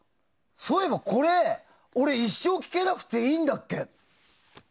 そういえば、これ俺一生聴けなくていいんだっけ？